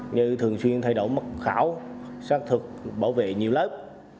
như thường xuyên thay đổi mật khảo xác thực bảo vệ nhiều lớp